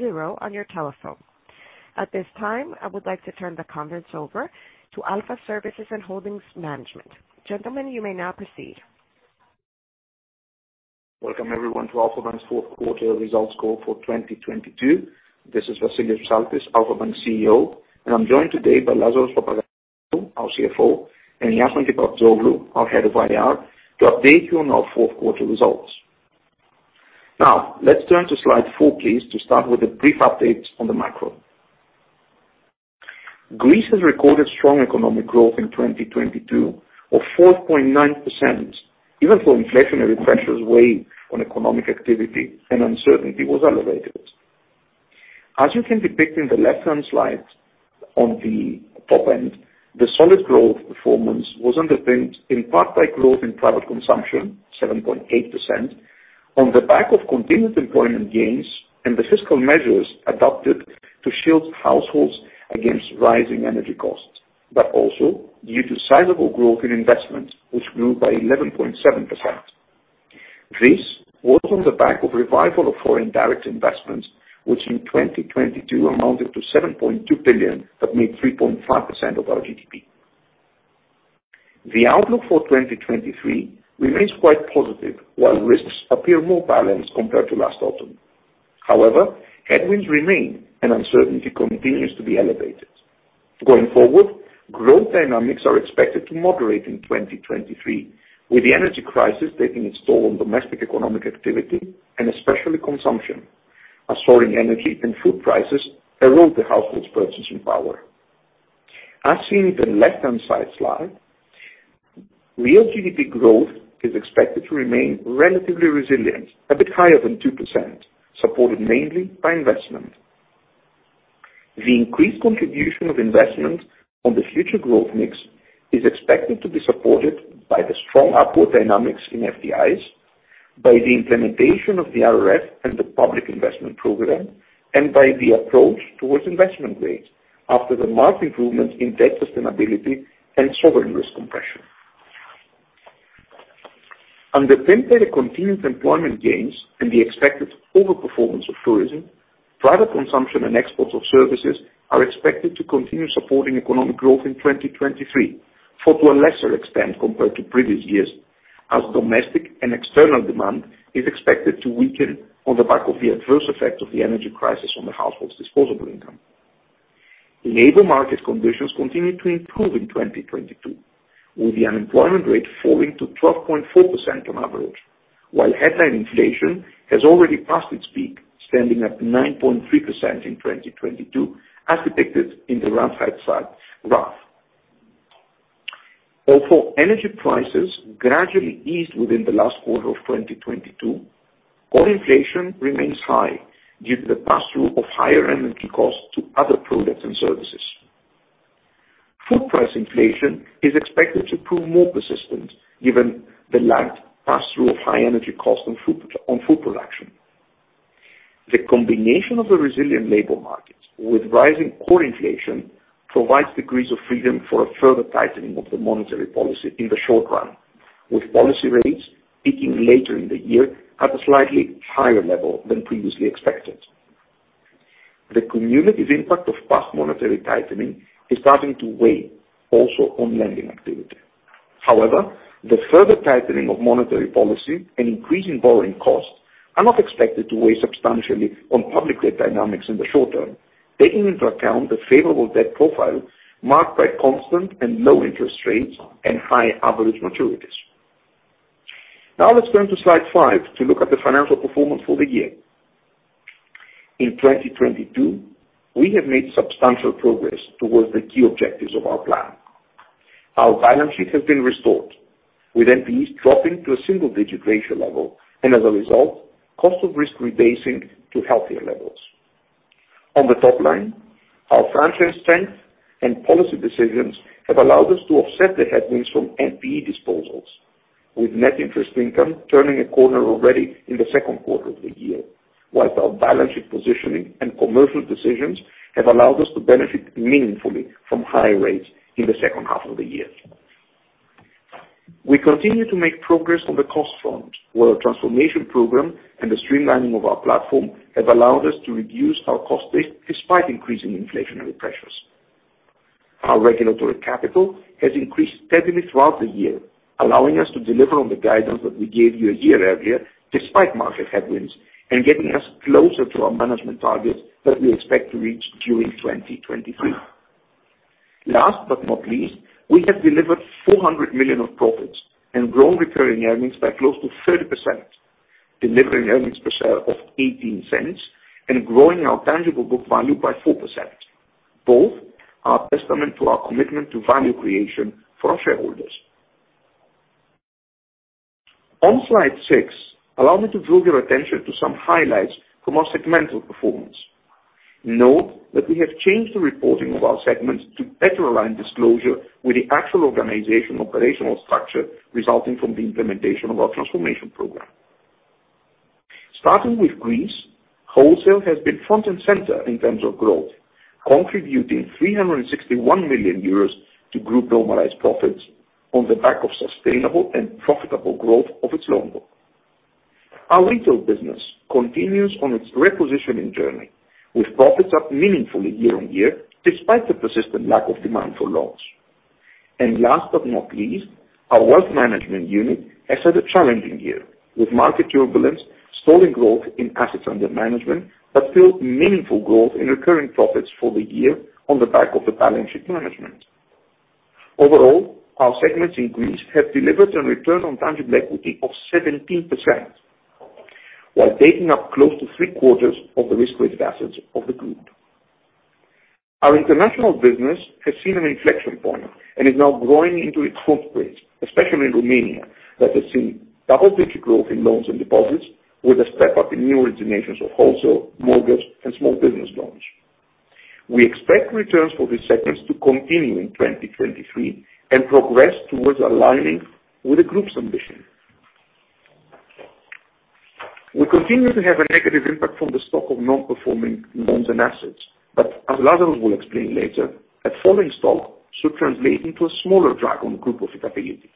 Zero on your telephone. At this time, I would like to turn the conference over to Alpha Services and Holdings management. Gentlemen, you may now proceed. Welcome everyone to Alpha Bank's fourth quarter results call for 2022. This is Vassilios Psaltis, Alpha Bank CEO, and I'm joined today by Lazaros Papagaryfallou, our CFO, and Iason Kepaptsoglou, our Head of IR, to update you on our fourth quarter results. Let's turn to slide four, please, to start with a brief update on the macro. Greece has recorded strong economic growth in 2022 of 4.9%, even for inflationary pressures weigh on economic activity and uncertainty was elevated. As you can depict in the left-hand slide on the top end, the solid growth performance was underpinned in part by growth in private consumption 7.8% on the back of continued employment gains and the fiscal measures adopted to shield households against rising energy costs, but also due to sizable growth in investments, which grew by 11.7%. This was on the back of revival of Foreign Direct Investments, which in 2022 amounted to 7.2 billion, that made 3.5% of our GDP. The outlook for 2023 remains quite positive, while risks appear more balanced compared to last autumn. However, headwinds remain and uncertainty continues to be elevated. Going forward, growth dynamics are expected to moderate in 2023, with the energy crisis taking its toll on domestic economic activity and especially consumption. As soaring energy and food prices erode the household's purchasing power. As seen in the left-hand side slide, real GDP growth is expected to remain relatively resilient, a bit higher than 2%, supported mainly by investment. The increased contribution of investment on the future growth mix is expected to be supported by the strong upward dynamics in FDIs, by the implementation of the RRF and the public investment program, and by the approach towards investment grade after the marked improvement in debt sustainability and sovereign risk compression. Underpinned by the continued employment gains and the expected overperformance of tourism, private consumption and exports of services are expected to continue supporting economic growth in 2023, for to a lesser extent compared to previous years, as domestic and external demand is expected to weaken on the back of the adverse effect of the energy crisis on the household's disposable income. Labor market conditions continued to improve in 2022, with the unemployment rate falling to 12.4% on average, while headline inflation has already passed its peak, standing at 9.3% in 2022, as depicted in the right-hand side graph. Although energy prices gradually eased within the last quarter of 2022, core inflation remains high due to the pass-through of higher energy costs to other products and services. Food price inflation is expected to prove more persistent given the lagged pass-through of high energy costs on food, on food production. The combination of the resilient labor markets with rising core inflation provides degrees of freedom for a further tightening of the monetary policy in the short run, with policy rates peaking later in the year at a slightly higher level than previously expected. The cumulative impact of past monetary tightening is starting to weigh also on lending activity. The further tightening of monetary policy and increasing borrowing costs are not expected to weigh substantially on public debt dynamics in the short term, taking into account the favorable debt profile marked by constant and low interest rates and high average maturities. Let's turn to slide five to look at the financial performance for the year. In 2022, we have made substantial progress towards the key objectives of our plan. Our balance sheet has been restored, with NPEs dropping to a single-digit ratio level, and as a result, cost of risk rebasing to healthier levels. On the top line, our franchise strength and policy decisions have allowed us to offset the headwinds from NPE disposals, with net interest income turning a corner already in the 2nd quarter of the year. While our balance sheet positioning and commercial decisions have allowed us to benefit meaningfully from higher rates in the second half of the year. We continue to make progress on the cost front, where our transformation program and the streamlining of our platform have allowed us to reduce our cost base despite increasing inflationary pressures. Our regulatory capital has increased steadily throughout the year, allowing us to deliver on the guidance that we gave you a year earlier despite market headwinds and getting us closer to our management targets that we expect to reach during 2023. Last but not least, we have delivered 400 million of profits and grown recurring earnings by close to 30%, delivering earnings per share of 0.18 and growing our tangible book value by 4%. Both are testament to our commitment to value creation for our shareholders. On slide six, allow me to draw your attention to some highlights from our segmental performance. Note that we have changed the reporting of our segments to better align disclosure with the actual organization operational structure resulting from the implementation of our transformation program. Starting with Greece, wholesale has been front and center in terms of growth, contributing 361 million euros to Group normalized profits. On the back of sustainable and profitable growth of its loan book. Our retail business continues on its repositioning journey, with profits up meaningfully year-over-year, despite the persistent lack of demand for loans. Last but not least, our wealth management unit has had a challenging year, with market turbulence stalling growth in assets under management, but still meaningful growth in recurring profits for the year on the back of the balance sheet management. Overall, our segments in Greece have delivered on return on tangible equity of 17%, while taking up close to three quarters of the risk-weighted assets of the group. Our international business has seen an inflection point and is now growing into its growth grades, especially in Romania, that has seen double-digit growth in loans and deposits with a step up in new originations of wholesale, mortgage, and small business loans. We expect returns for these segments to continue in 2023 and progress towards aligning with the group's ambition. We continue to have a negative impact from the stock of non-performing loans and assets, but as Lazaros will explain later, a falling stock should translate into a smaller drag on group profitability.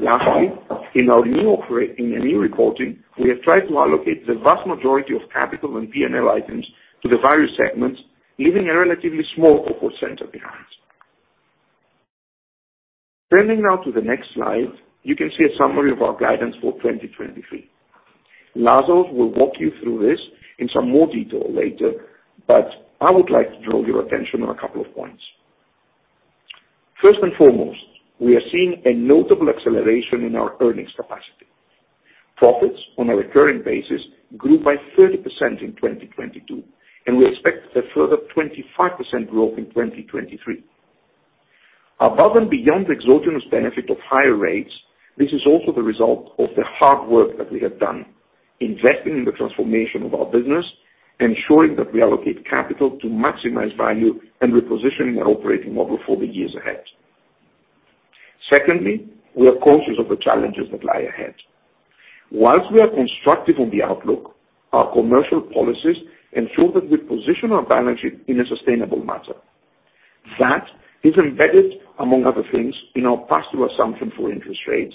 Lastly, in the new reporting, we have tried to allocate the vast majority of capital and P&L items to the various segments, leaving a relatively small corporate center behind. Turning now to the next slide, you can see a summary of our guidance for 2023. Lazaros will walk you through this in some more detail later, but I would like to draw your attention on a couple of points. First and foremost, we are seeing a notable acceleration in our earnings capacity. Profits on a recurring basis grew by 30% in 2022, and we expect a further 25% growth in 2023. Above and beyond the exogenous benefit of higher rates, this is also the result of the hard work that we have done investing in the transformation of our business, ensuring that we allocate capital to maximize value and repositioning our operating model for the years ahead. Secondly, we are conscious of the challenges that lie ahead. Whilst we are constructive on the outlook, our commercial policies ensure that we position our balance sheet in a sustainable manner. That is embedded, among other things, in our pass-through assumption for interest rates,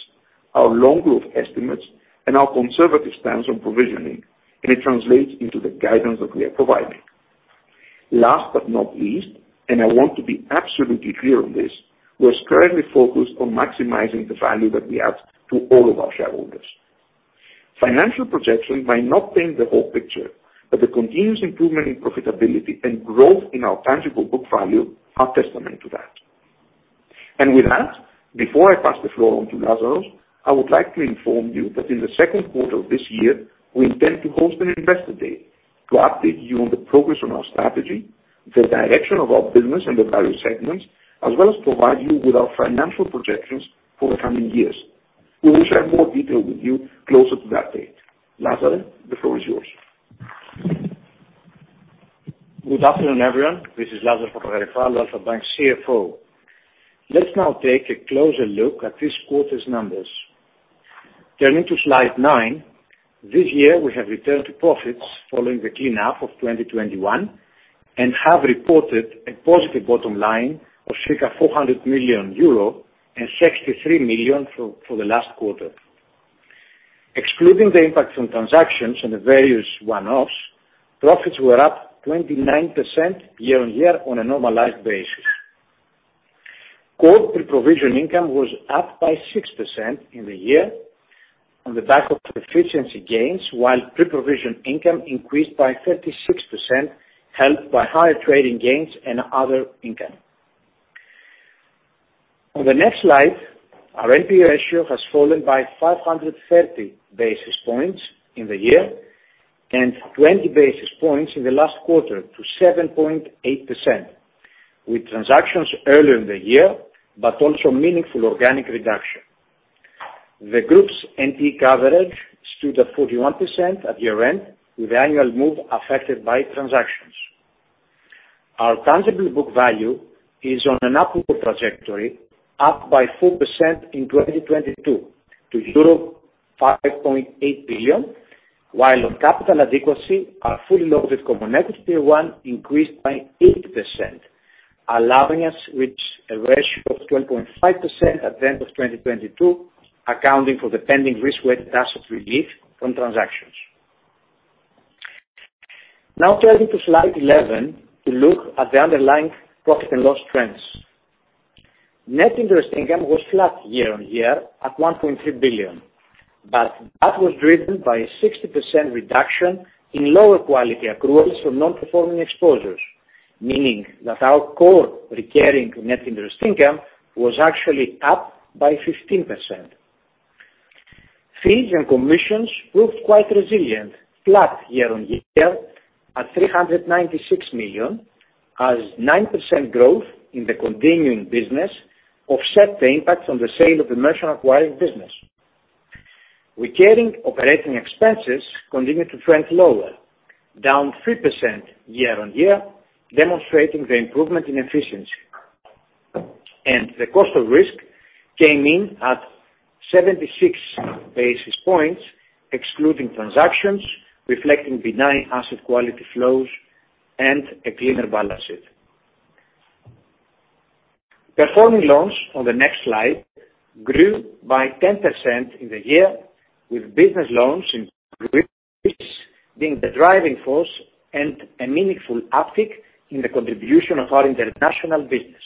our loan growth estimates, and our conservative stance on provisioning, and it translates into the guidance that we are providing. Last but not least, and I want to be absolutely clear on this, we are currently focused on maximizing the value that we add to all of our shareholders. Financial projections might not paint the whole picture, but the continuous improvement in profitability and growth in our tangible book value are testament to that. With that, before I pass the floor on to Lazaros, I would like to inform you that in the second quarter of this year, we intend to host an investor day to update you on the progress on our strategy, the direction of our business and the value segments, as well as provide you with our financial projections for the coming years. We will share more detail with you closer to that date. Lazaros, the floor is yours. Good afternoon, everyone. This is Lazaros Papagaryfallou, Alpha Bank's CFO. Let's now take a closer look at this quarter's numbers. Turning to slide nine, this year we have returned to profits following the clean up of 2021, and have reported a positive bottom line of circa 400 million euro and 63 million for the last quarter. Excluding the impact from transactions and the various one-offs, profits were up 29% year-on-year on a normalized basis. Core pre-provision income was up by 6% in the year on the back of efficiency gains, while pre-provision income increased by 36%, helped by higher trading gains and other income. On the next slide, our NPL ratio has fallen by 530 basis points in the year and 20 basis points in the last quarter to 7.8%, with transactions early in the year but also meaningful organic reduction. The group's NPE coverage stood at 41% at year-end, with annual move affected by transactions. Our tangible book value is on an upward trajectory, up by 4% in 2022 to euro 5.8 billion, while on capital adequacy, our fully loaded Common Equity Tier 1 increased by 8%, allowing us reach a ratio of 12.5% at the end of 2022, accounting for the pending Risk-Weighted Asset relief from transactions. Turning to slide 11 to look at the underlying profit and loss trends. Net interest income was flat year-on-year at 1.3 billion. That was driven by a 60% reduction in lower quality accruals from non-performing exposures, meaning that our core recurring net interest income was actually up by 15%. Fees and commissions proved quite resilient, flat year-on-year at 396 million, as 9% growth in the continuing business offset the impact on the sale of the merchant acquiring business. Recurring operating expenses continued to trend lower, down 3% year-on-year, demonstrating the improvement in efficiency. The cost of risk came in at 176 basis points, excluding transactions, reflecting benign asset quality flows and a cleaner balance sheet. Performing loans on the next slide grew by 10% in the year, with business loans Being the driving force and a meaningful uptick in the contribution of our international business.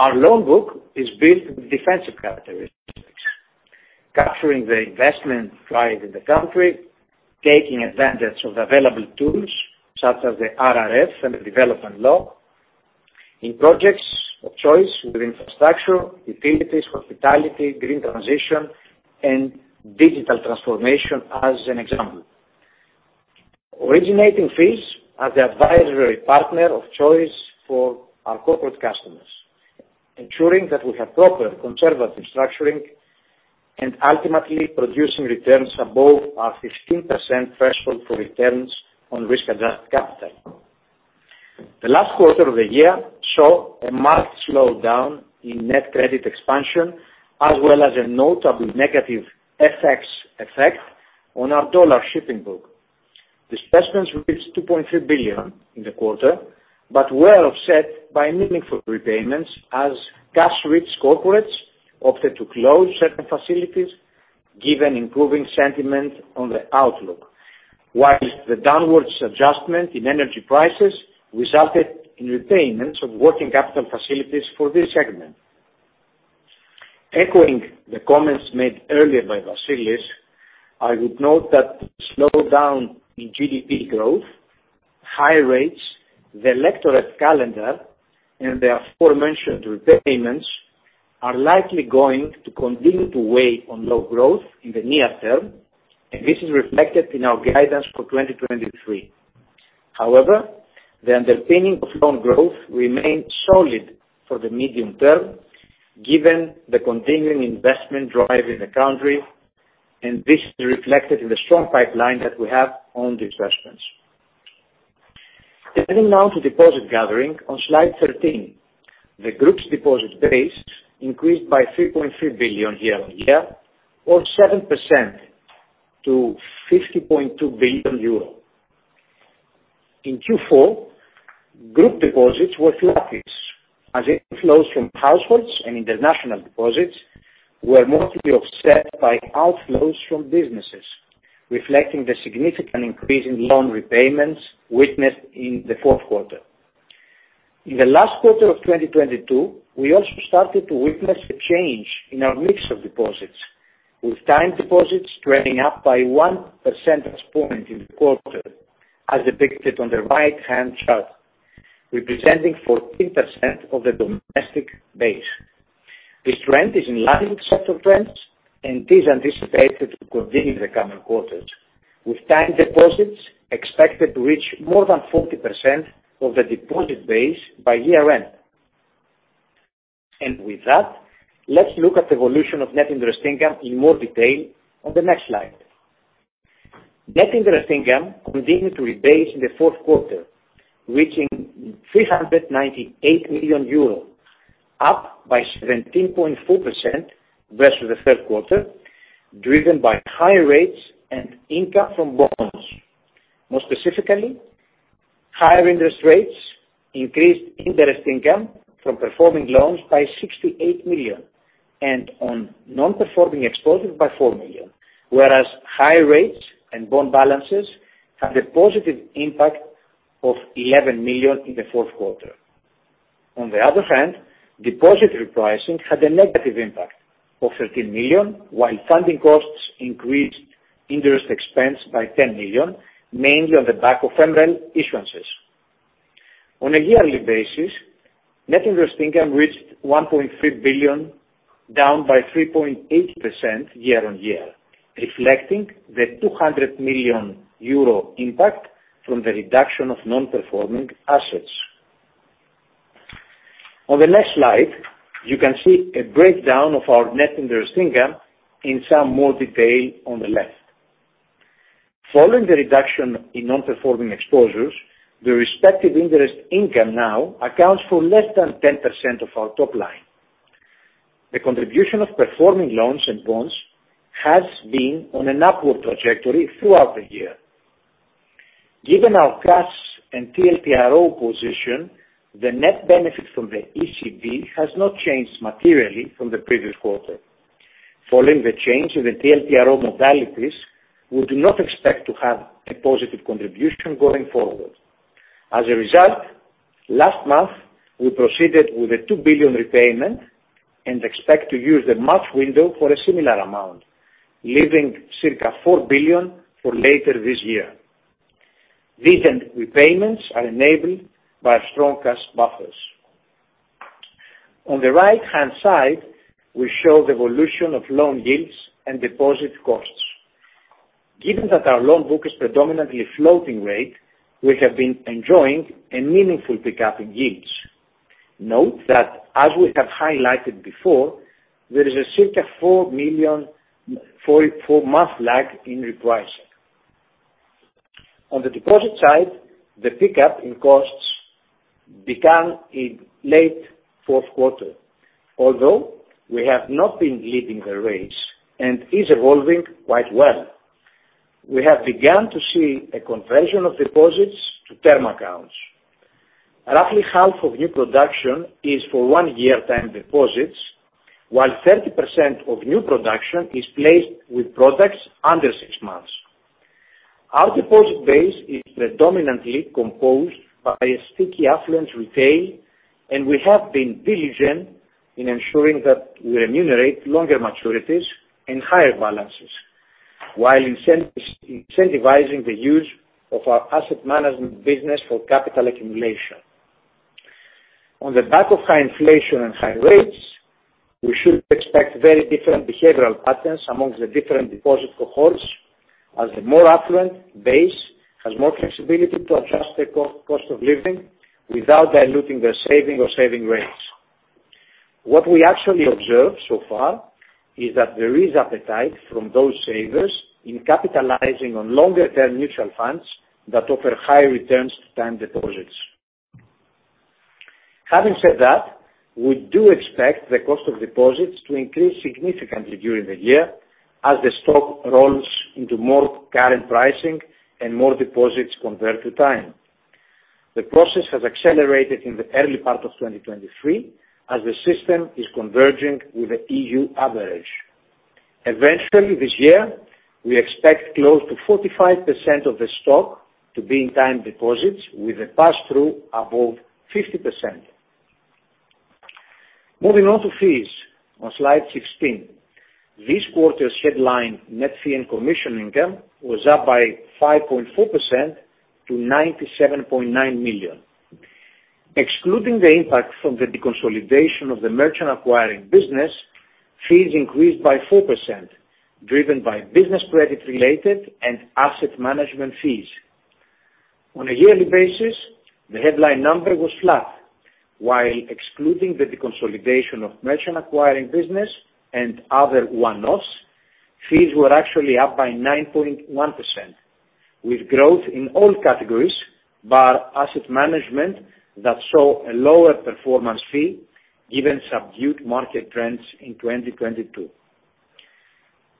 Our loan book is built with defensive characteristics, capturing the investment drive in the country, taking advantage of available tools such as the RRF and the Development Law in projects of choice within infrastructure, utilities, hospitality, green transition, and digital transformation, as an example. Originating fees are the advisory partner of choice for our corporate customers, ensuring that we have proper conservative structuring and ultimately producing returns above our 15% threshold for returns on risk-adjusted capital. The last quarter of the year saw a marked slowdown in net credit expansion, as well as a notable negative FX effect on our dollar shipping book. Disbursements reached 2.3 billion in the quarter, were offset by meaningful repayments as cash-rich corporates opted to close certain facilities given improving sentiment on the outlook. The downward adjustment in energy prices resulted in retainments of working capital facilities for this segment. Echoing the comments made earlier by Vassilios, I would note that the slowdown in GDP growth, high rates, the electorate calendar, and the aforementioned repayments are likely going to continue to weigh on low growth in the near term, and this is reflected in our guidance for 2023. However, the underpinning of loan growth remains solid for the medium term, given the continuing investment drive in the country, and this is reflected in the strong pipeline that we have on disbursements. Turning now to deposit gathering on slide 13. The group's deposit base increased by 3.3 billion year-over-year, or 7% to 50.2 billion euro. In Q4, group deposits were through the office as inflows from households and international deposits were mostly offset by outflows from businesses, reflecting the significant increase in loan repayments witnessed in the fourth quarter. In the last quarter of 2022, we also started to witness a change in our mix of deposits, with time deposits trending up by 1 percentage point in the quarter, as depicted on the right-hand chart, representing 14% of the domestic base. This trend is in line with sector trends and is anticipated to continue in the coming quarters, with time deposits expected to reach more than 40% of the deposit base by year-end. With that, let's look at the evolution of net interest income in more detail on the next slide. Net interest income continued to rebase in the fourth quarter, reaching 398 million euros, up by 17.4% versus the third quarter, driven by higher rates and income from bonds. More specifically, higher interest rates increased interest income from performing loans by 68 million and on non-performing exposures by 4 million, whereas high rates and bond balances had a positive impact of 11 million in the fourth quarter. On the other hand, deposit repricing had a negative impact of 13 million, while funding costs increased interest expense by 10 million, mainly on the back of MREL issuances. On a yearly basis, net interest income reached 1.3 billion, down by 3.8% year-on-year, reflecting the 200 million euro impact from the reduction of non-performing assets. On the next slide, you can see a breakdown of our net interest income in some more detail on the left. Following the reduction in non-performing exposures, the respective interest income now accounts for less than 10% of our top line. The contribution of performing loans and bonds has been on an upward trajectory throughout the year. Given our cash and TLTRO position, the net benefit from the ECB has not changed materially from the previous quarter. Following the change in the TLTRO modalities, we do not expect to have a positive contribution going forward. Last month, we proceeded with a 2 billion repayment and expect to use the March window for a similar amount, leaving circa 4 billion for later this year. These repayments are enabled by our strong cash buffers. On the right-hand side, we show the evolution of loan yields and deposit costs. Given that our loan book is predominantly floating rate, we have been enjoying a meaningful pickup in yields. Note that as we have highlighted before, there is a circa 4 million for month lag in repricing. On the deposit side, the pickup in costs began in late fourth quarter. We have not been leading the race and is evolving quite well. We have begun to see a conversion of deposits to term accounts. Roughly half of new production is for one year term deposits, while 30% of new production is placed with products under six months. Our deposit base is predominantly composed by a sticky affluent retail, we have been diligent in ensuring that we remunerate longer maturities and higher balances, while incentivizing the use of our asset management business for capital accumulation. On the back of high inflation and high rates, we should expect very different behavioral patterns amongst the different deposit cohorts, as the more affluent base has more flexibility to adjust the cost of living without diluting their saving rates. What we actually observe so far is that there is appetite from those savers in capitalizing on longer term mutual funds that offer higher returns to time deposits. Having said that, we do expect the cost of deposits to increase significantly during the year as the stock rolls into more current pricing and more deposits convert to time. The process has accelerated in the early part of 2023 as the system is converging with the EU average. Eventually this year, we expect close to 45% of the stock to be in time deposits with a pass-through above 50%. Moving on to fees on slide 16. This quarter's headline net fee and commission income was up by 5.4% to 97.9 million. Excluding the impact from the deconsolidation of the merchant acquiring business, fees increased by 4%, driven by business credit related and asset management fees. On a yearly basis, the headline number was flat, while excluding the deconsolidation of merchant acquiring business and other one-offs, fees were actually up by 9.1%, with growth in all categories, bar asset management that saw a lower performance fee given subdued market trends in 2022.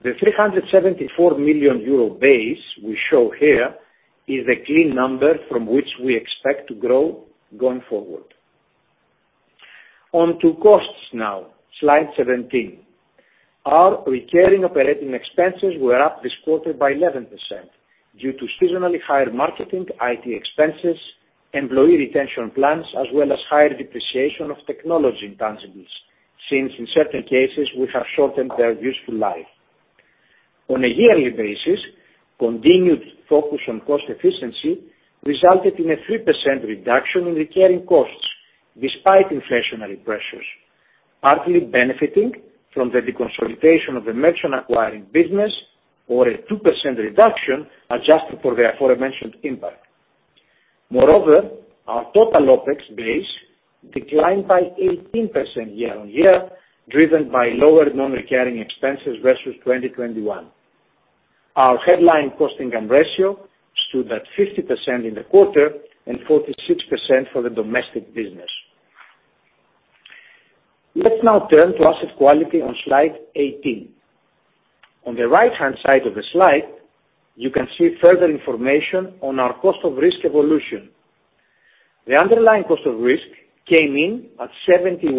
The 374 million euro base we show here is the clean number from which we expect to grow going forward. On to costs now, slide 17. Our recurring operating expenses were up this quarter by 11% due to seasonally higher marketing, IT expenses, employee retention plans, as well as higher depreciation of technology intangibles, since in certain cases we have shortened their useful life. On a yearly basis, continued focus on cost efficiency resulted in a 3% reduction in recurring costs despite inflationary pressures, partly benefiting from the deconsolidation of the merchant acquiring business or a 2% reduction adjusted for the aforementioned impact. Our total OpEx base declined by 18% year-on-year, driven by lower non-recurring expenses versus 2021. Our headline cost-income ratio stood at 50% in the quarter and 46% for the domestic business. Let's now turn to asset quality on slide 18. On the right-hand side of the slide, you can see further information on our cost of risk evolution. The underlying cost of risk came in at 71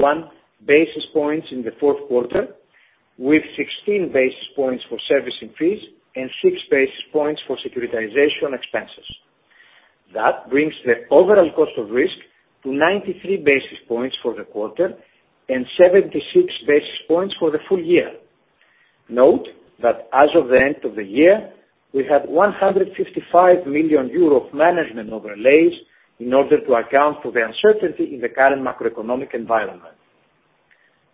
basis points in the fourth quarter, with 16 basis points for servicing fees and 6 basis points for securitization expenses. That brings the overall cost of risk to 93 basis points for the quarter and 76 basis points for the full year. Note that as of the end of the year, we had 155 million euro of management overlays in order to account for the uncertainty in the current macroeconomic environment.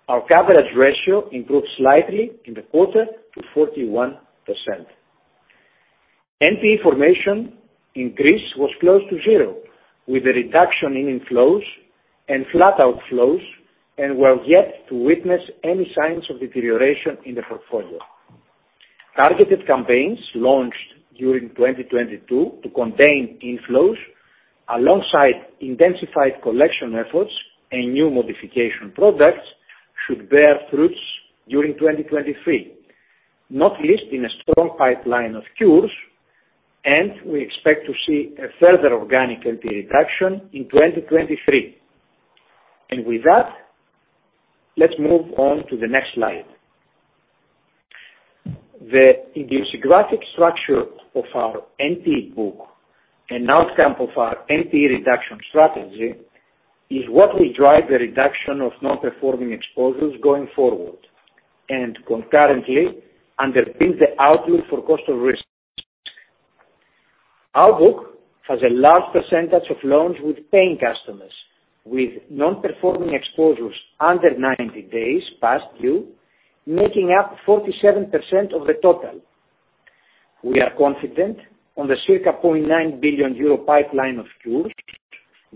Our coverage ratio improved slightly in the quarter to 41%. NPE formation increase was close to zero, with a reduction in inflows and flat outflows. We are yet to witness any signs of deterioration in the portfolio. Targeted campaigns launched during 2022 to contain inflows alongside intensified collection efforts and new modification products should bear fruits during 2023, not least in a strong pipeline of cures. We expect to see a further organic NPE reduction in 2023. With that, let's move on to the next slide. The idiographic structure of our NPE book and outcome of our NPE reduction strategy is what will drive the reduction of non-performing exposures going forward, and concurrently underpins the outlook for cost of risk. Our book has a large percentage of loans with paying customers with non-performing exposures under 90 days past due, making up 47% of the total. We are confident on the circa 0.9 billion euro pipeline of cures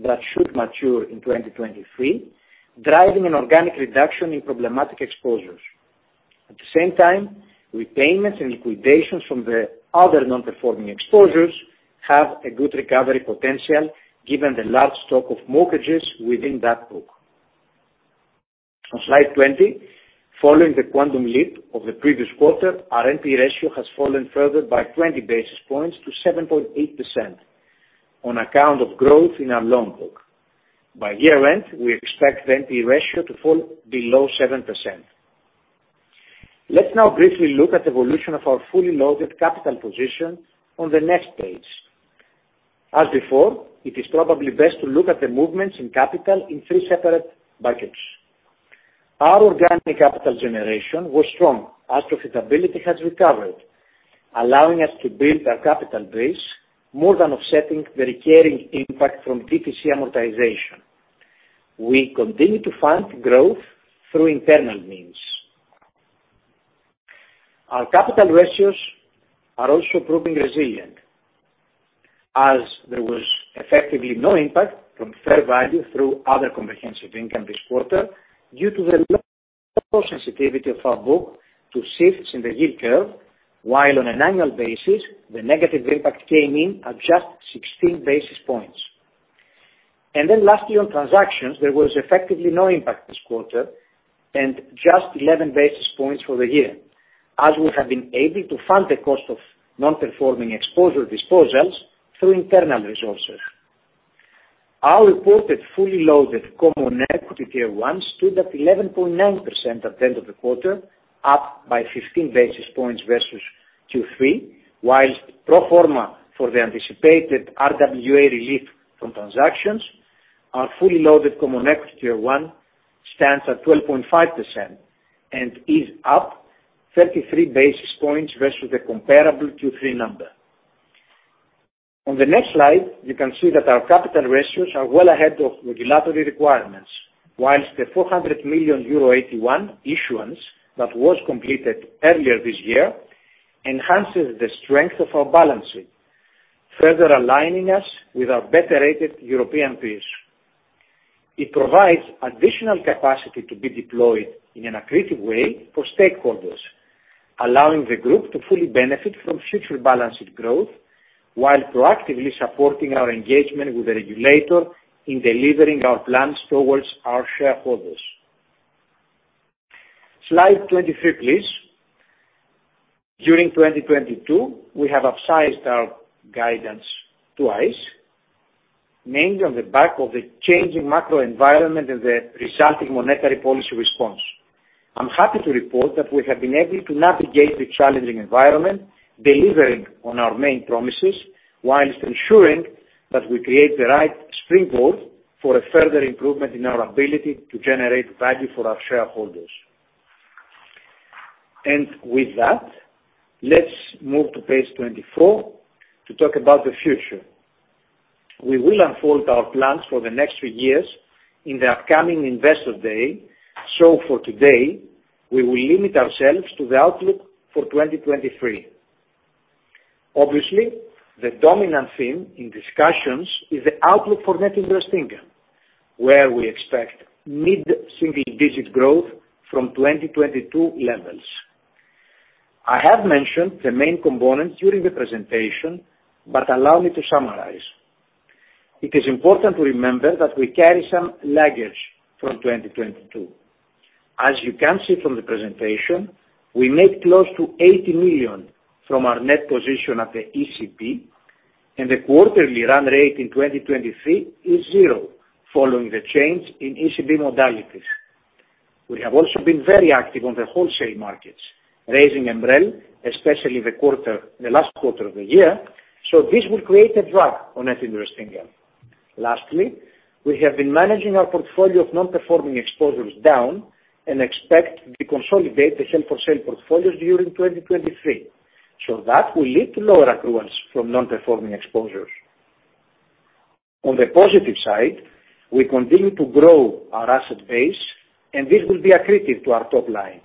that should mature in 2023, driving an organic reduction in problematic exposures. At the same time, repayments and liquidations from the other non-performing exposures have a good recovery potential given the large stock of mortgages within that book. On slide 20, following the quantum leap of the previous quarter, our NP ratio has fallen further by 20 basis points to 7.8% on account of growth in our loan book. By year-end, we expect the NP ratio to fall below 7%. Let's now briefly look at the evolution of our fully loaded capital position on the next page. As before, it is probably best to look at the movements in capital in three separate buckets. Our organic capital generation was strong as profitability has recovered, allowing us to build our capital base more than offsetting the recurring impact from DTC amortization. We continue to fund growth through internal means. Our capital ratios are also proving resilient as there was effectively no impact from fair value through other comprehensive income this quarter due to the low sensitivity of our book to shifts in the yield curve, while on an annual basis, the negative impact came in at just 16 basis points. Lastly, on transactions, there was effectively no impact this quarter and just 11 basis points for the year as we have been able to fund the cost of non-performing exposure disposals through internal resources. Our reported fully loaded Common Equity Tier 1 stood at 11.9% at the end of the quarter, up by 15 basis points versus Q3. Pro forma for the anticipated RWA relief from transactions, our fully loaded Common Equity Tier 1 stands at 12.5% and is up 33 basis points versus the comparable Q3 number. On the next slide, you can see that our capital ratios are well ahead of regulatory requirements, whilst the 400 million euro AT1 issuance that was completed earlier this year enhances the strength of our balance sheet, further aligning us with our better rated European peers. It provides additional capacity to be deployed in an accretive way for stakeholders, allowing the group to fully benefit from future balance sheet growth while proactively supporting our engagement with the regulator in delivering our plans towards our shareholders. Slide 23 please. During 2022, we have upsized our guidance twice, mainly on the back of the changing macro environment and the resulting monetary policy response. I'm happy to report that we have been able to navigate the challenging environment, delivering on our main promises whilst ensuring that we create the right springboard for a further improvement in our ability to generate value for our shareholders. With that, let's move to page 24 to talk about the future. We will unfold our plans for the next three years in the upcoming investor day. For today, we will limit ourselves to the outlook for 2023. Obviously, the dominant theme in discussions is the outlook for net interest income, where we expect mid-single digit growth from 2022 levels. I have mentioned the main components during the presentation, allow me to summarize. It is important to remember that we carry some luggage from 2022. As you can see from the presentation, we made close to 80 million from our net position at the ECB, the quarterly run rate in 2023 is zero following the change in ECB modalities. We have also been very active on the wholesale markets, raising MREL, especially the quarter, the last quarter of the year, this will create a drag on net interest income. Lastly, we have been managing our portfolio of non-performing exposures down and expect to consolidate the sale for sale portfolios during 2023. That will lead to lower accruals from non-performing exposures. On the positive side, we continue to grow our asset base, and this will be accretive to our top line.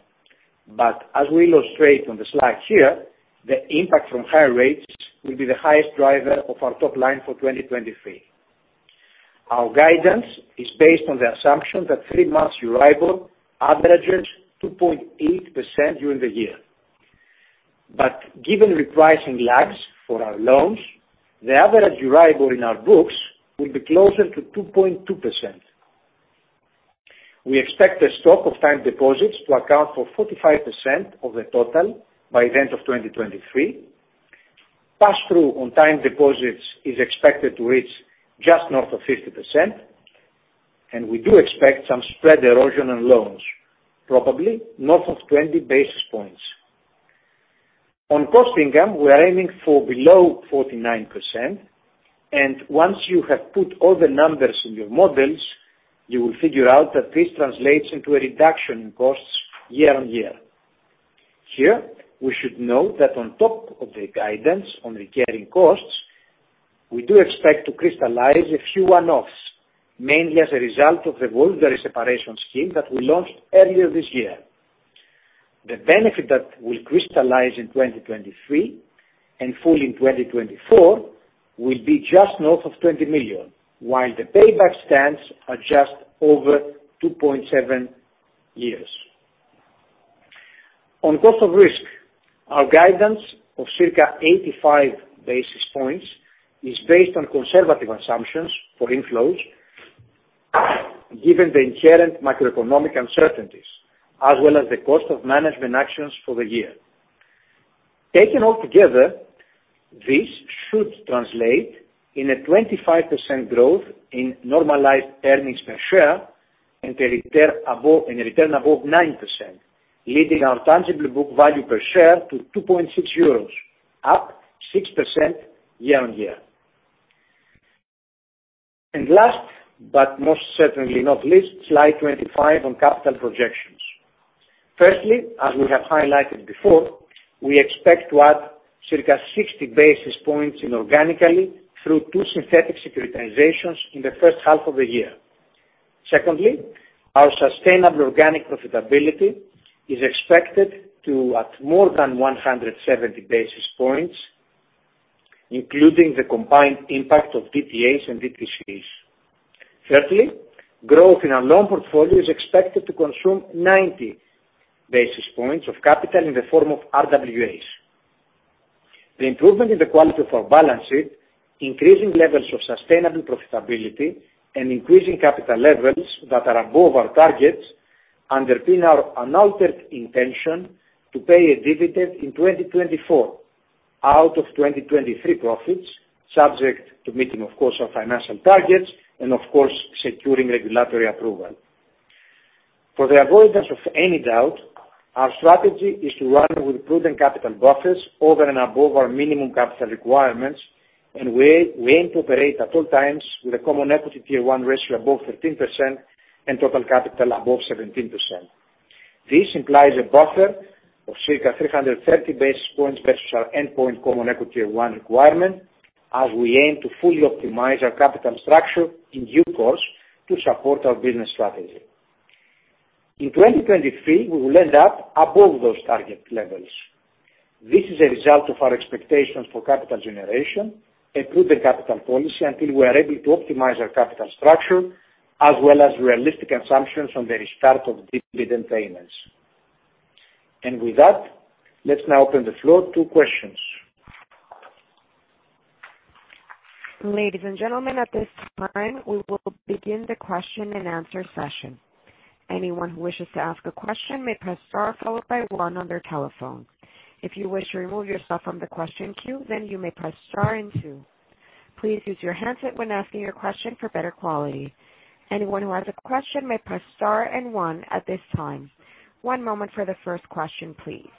As we illustrate on the slide here, the impact from higher rates will be the highest driver of our top line for 2023. Our guidance is based on the assumption that three-month Euribor averages 2.8% during the year. Given repricing lags for our loans, the average Euribor in our books will be closer to 2.2%. We expect the stock of time deposits to account for 45% of the total by the end of 2023. Pass-through on time deposits is expected to reach just north of 50%. We do expect some spread erosion on loans, probably north of 20 basis points. On cost income, we are aiming for below 49%. Once you have put all the numbers in your models, you will figure out that this translates into a reduction in costs year-on-year. Here, we should note that on top of the guidance on recurring costs, we do expect to crystallize a few one-offs, mainly as a result of the voluntary separation scheme that we launched earlier this year. The benefit that will crystallize in 2023 And full in 2024 will be just north of 20 million, while the payback stands at just over 2.7 years. On cost of risk, our guidance of circa 85 basis points is based on conservative assumptions for inflows given the inherent macroeconomic uncertainties as well as the cost of management actions for the year. Taken altogether, this should translate in a 25% growth in normalized earnings per share and a return above 9%, leading our tangible book value per share to 2.6 euros, up 6% year-over-year. Last, but most certainly not least, slide 25 on capital projections. Firstly, as we have highlighted before, we expect to add circa 60 basis points inorganically through two synthetic securitizations in the first half of the year. Secondly, our sustainable organic profitability is expected to at more than 170 basis points, including the combined impact of DTAs and DTCs. Thirdly, growth in our loan portfolio is expected to consume 90 basis points of capital in the form of RWAs. The improvement in the quality of our balance sheet, increasing levels of sustainable profitability and increasing capital levels that are above our targets underpin our unaltered intention to pay a dividend in 2024 out of 2023 profits, subject to meeting, of course, our financial targets and of course, securing regulatory approval. For the avoidance of any doubt, our strategy is to run with prudent capital buffers over and above our minimum capital requirements, and we aim to operate at all times with a Common Equity Tier 1 ratio above 13% and total capital above 17%. This implies a buffer of circa 330 basis points versus our endpoint Common Equity Tier 1 requirement as we aim to fully optimize our capital structure in due course to support our business strategy. In 2023, we will end up above those target levels. This is a result of our expectations for capital generation, improved capital policy until we are able to optimize our capital structure as well as realistic assumptions on the restart of dividend payments. With that, let's now open the floor to questions. Ladies and gentlemen, at this time, we will begin the question and answer session. Anyone who wishes to ask a question may press star followed by one on their telephone. If you wish to remove yourself from the question queue, then you may press star and two. Please use your handset when asking your question for better quality. Anyone who has a question may press star and one at this time. One moment for the first question, please.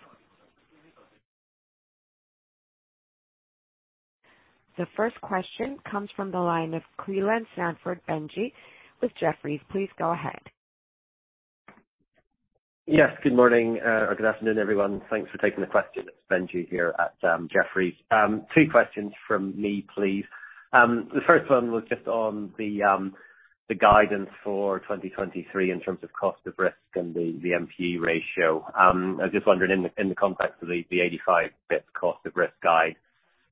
The first question comes from the line of Benjie Creelan-Sandford with Jefferies. Please go ahead. Yes, good morning, or good afternoon, everyone. Thanks for taking the question. It's Benjie here at Jefferies. Two questions from me, please. The first one was just on the guidance for 2023 in terms of cost of risk and the NPE ratio. I was just wondering in the context of the 85 basis points cost of risk guide,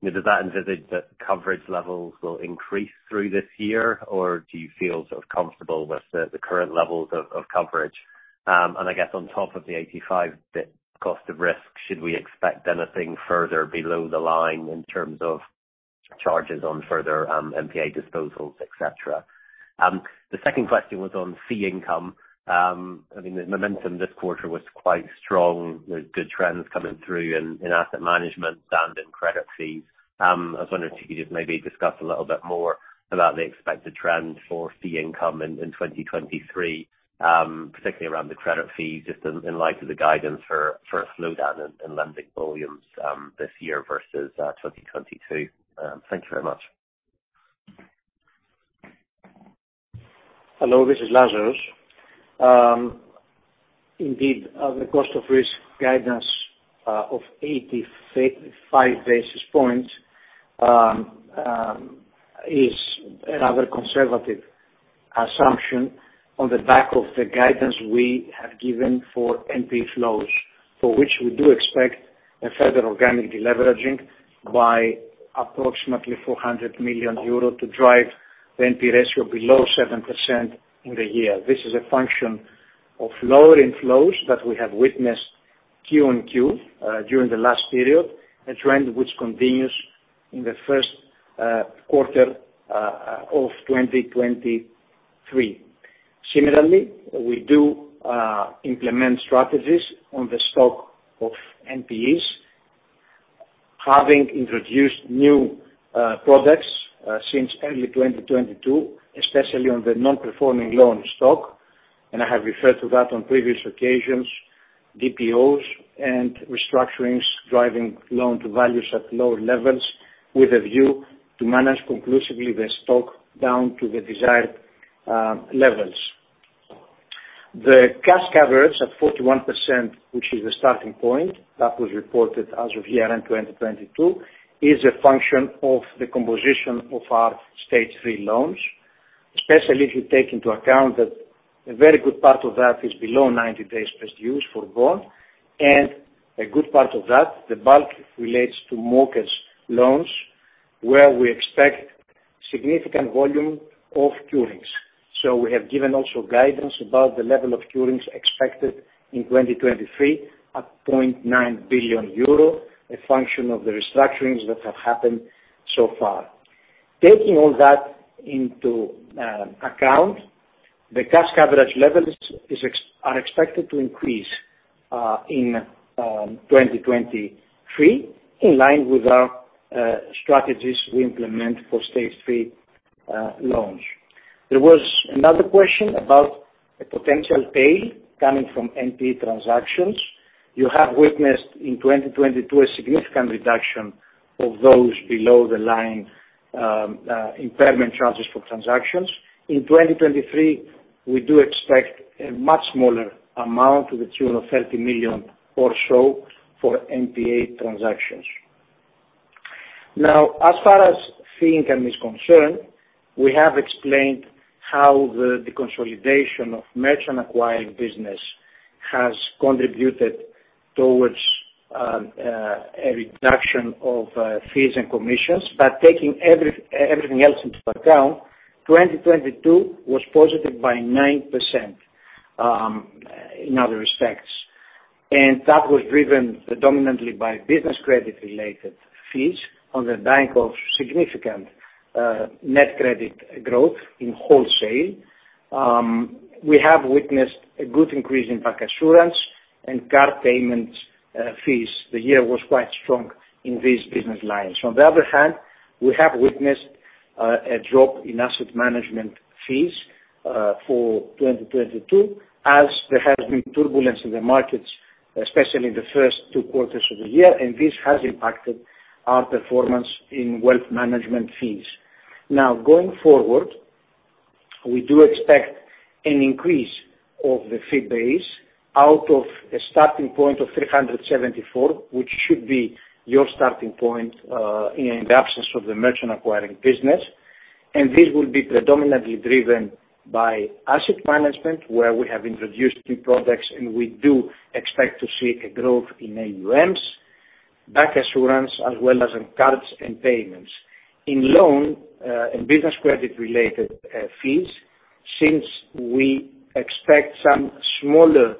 does that envisage that coverage levels will increase through this year, or do you feel sort of comfortable with the current levels of coverage? I guess on top of the 85 basis points cost of risk, should we expect anything further below the line in terms of charges on further NPA disposals, et cetera? The second question was on fee income. I mean, the momentum this quarter was quite strong. There are good trends coming through in asset management and in credit fees. I was wondering if you could just maybe discuss a little bit more about the expected trend for fee income in 2023, particularly around the credit fees, just in light of the guidance for a slowdown in lending volumes this year versus 2022. Thank you very much. Hello, this is Lazaros. Indeed, the cost of risk guidance of 85 basis points is another conservative assumption on the back of the guidance we have given for NPE inflows, for which we do expect a further organic deleveraging by approximately 400 million euro to drive the NPE ratio below 7% in the year. This is a function of lower inflows that we have witnessed Q on Q during the last period, a trend which continues in the first quarter of 2023. Similarly, we do implement strategies on the stock of NPEs, having introduced new products since early 2022, especially on the non-performing loan stock, and I have referred to that on previous occasions, DPOs and restructurings, driving loan to values at lower levels with a view to manage conclusively the stock down to the desired levels. The cash coverage at 41%, which is the starting point that was reported as of year-end 2022, is a function of the composition of our Stage 3 loans. Especially if you take into account that a very good part of that is below 90 days past due for loan, and a good part of that, the bulk relates to mortgage loans, where we expect significant volume of curings. We have given also guidance about the level of curings expected in 2023 at 0.9 billion euro, a function of the restructurings that have happened so far. Taking all that into account, the cash coverage levels are expected to increase in 2023, in line with our strategies we implement for Stage 3 loans. There was another question about a potential pay coming from NPA transactions. You have witnessed in 2022 a significant reduction of those below the line impairment charges for transactions. In 2023, we do expect a much smaller amount to the tune of 30 million or so for NPA transactions. As far as fee income is concerned, we have explained how the consolidation of merchant acquiring business has contributed towards a reduction of fees and commissions. Taking everything else into account, 2022 was positive by 9% in other respects. That was driven predominantly by business credit related fees on the back of significant net credit growth in wholesale. We have witnessed a good increase in bancassurance and card payments fees. The year was quite strong in these business lines. On the other hand, we have witnessed a drop in asset management fees for 2022, as there has been turbulence in the markets, especially in the first two quarters of the year, and this has impacted our performance in wealth management fees. Going forward, we do expect an increase of the fee base out of a starting point of 374 million, which should be your starting point in the absence of the merchant acquiring business. This will be predominantly driven by asset management, where we have introduced new products, and we do expect to see a growth in AUMs, bancassurance, as well as in cards and payments. In loan, in business credit related fees, since we expect some smaller